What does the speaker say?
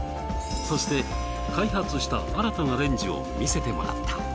そして開発した新たなレンジを見せてもらった。